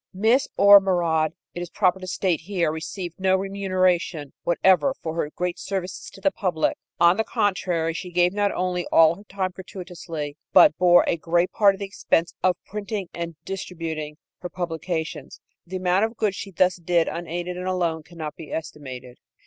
Miss Ormerod, it is proper to state here, received no remuneration whatever for her great services to the public. On the contrary, she gave not only all her time gratuitously, but bore a great part of the expense of printing and distributing her publications. The amount of good she thus did unaided and alone cannot be estimated.